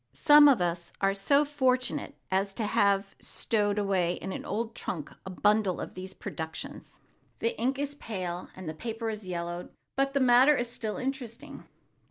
Some of us are so fortunate as to have stowed away in an old trunk a bundle of these productions. The ink is pale and the paper yellowed, but the matter is still interesting.